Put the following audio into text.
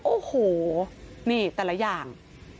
โอ้โหนี่แต่ละอย่าง